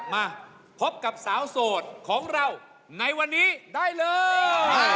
มาพบกับสาวโสดของเราในวันนี้ได้เลย